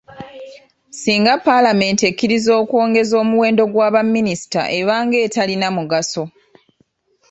Singa Paalamenti ekkiriza okwongeza omuwendo gwa baminisita eba ng’etalina mugaso.